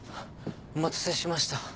お待たせしました。